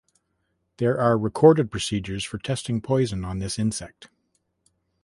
There are recorded procedures for testing poison on this insect.